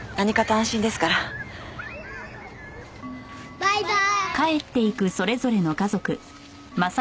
バイバイ！